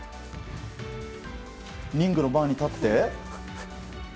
リングの前に立って。